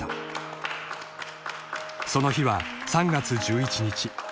［その日は３月１１日］